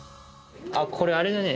あっこれあれだね。